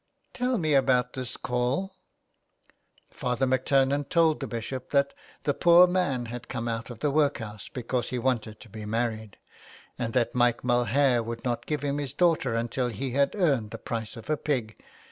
*' Tell me about this call." Father MacTurnan told the Bishop that the poor 194 A LETTER TO ROME. man had come out of the workhouse because he wanted to be married, and that Mike Mulhare would not give him his daughter until he had earned the price of a pig.